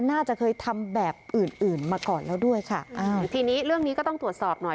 น่าจะเคยทำแบบอื่นอื่นมาก่อนแล้วด้วยค่ะอ่าทีนี้เรื่องนี้ก็ต้องตรวจสอบหน่อย